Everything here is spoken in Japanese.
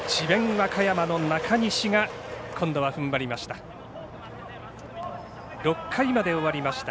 和歌山の中西が今度はふんばりました。